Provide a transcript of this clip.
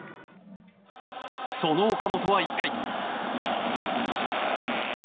その岡本は１回。